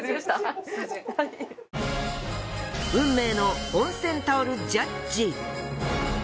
運命の温泉タオルジャッジ。